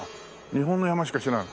日本の山しか知らない。